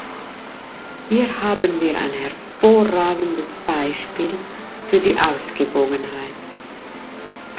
Hier haben wir ein hervorragendes Beispiel für die Ausgewogenheit.